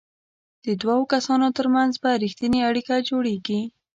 د دوو کسانو ترمنځ به ریښتینې اړیکه جوړیږي.